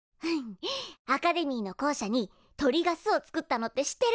アカデミーの校舎に鳥が巣を作ったのって知ってる？